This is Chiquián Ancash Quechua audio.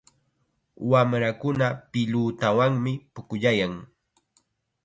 Wamrakuna pilutawanmi pukllayan.